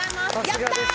やったー！